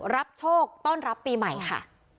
รับโชคต้อนรับปีใหม่ค่ะ